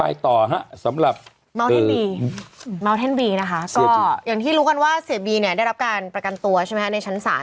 อย่างที่รู้กันว่าเสียบีเนี่ยได้รับการประกันตัวใช่มั้ยในชั้นศาล